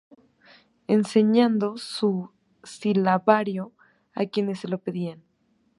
Continuó enseñando su silabario a quienes se lo pedían.